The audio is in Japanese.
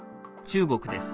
中国です。